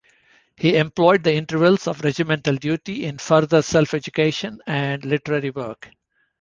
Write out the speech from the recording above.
He employed the intervals of regimental duty in further self-education and literary work.